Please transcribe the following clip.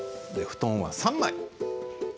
布団は３枚。